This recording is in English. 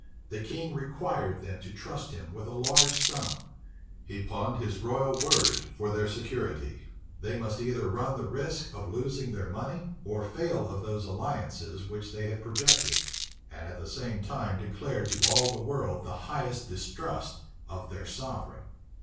The king required them to trust him with a large sum; he pawned his royal word for their security: they must either run the risk of losing their money, or fail of those alliances which they had projected, and at the same time declare to all the world the highest distrust of their sovereign.